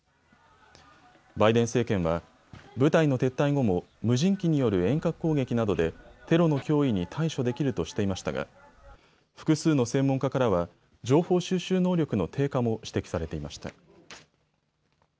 バイデン政権は部隊の撤退後も無人機による遠隔攻撃などでテロの脅威に対処できるとしていましたが複数の専門家からは情報収集能力の低下も指摘されていました。